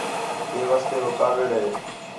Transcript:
ہے واسطے ہو کاوِڑ ہے